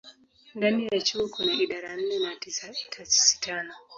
Ndani ya chuo kuna idara nne na taasisi tano.